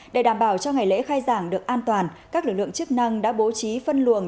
để đảm bảo cho ngày lễ khai giảng được an toàn các lực lượng chức năng đã bố trí phân luồng